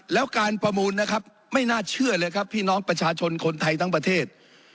แล้วการประมูลนะครับไม่น่าเชื่อเลยครับพี่น้องประชาชนคนไทยทั้งประเทศ